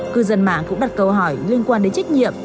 cư dân mạng cũng đặt câu hỏi liên quan đến trách nhiệm